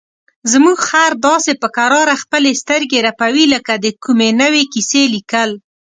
زموږ خر داسې په کراره خپلې سترګې رپوي لکه د کومې نوې کیسې لیکل.